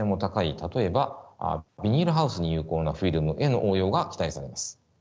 例えばビニールハウスに有効なフィルムへの応用が期待されます。